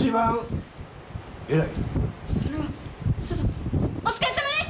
それはさぞお疲れさまです！